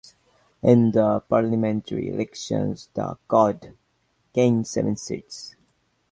In the parliamentary elections the CoD gained seven seats.